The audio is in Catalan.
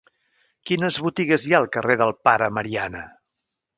Quines botigues hi ha al carrer del Pare Mariana?